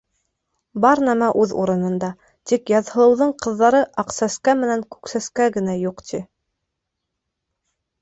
Бар нәмә үҙ урынында, тик Яҙһылыуҙың ҡыҙҙары Аҡсәскә менән Күксәскә генә юҡ, ти.